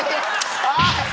あっ！